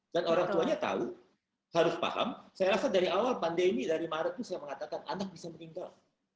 dan orang tuanya tahu harus paham saya rasa dari awal pandemi dari maret itu saya mengatakan anak bisa meninggal